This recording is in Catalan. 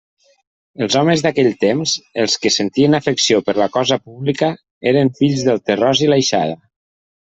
Els homes d'aquells temps, els que sentien afecció per la cosa pública, eren fills del terròs i l'aixada.